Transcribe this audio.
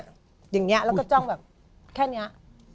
อย่างนี้แล้วก็จ้องแบบแค่นี้